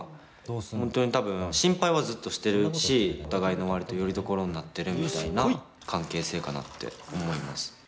本当に多分心配はずっとしてるしお互いの割とよりどころになってるみたいな関係性かなって思います。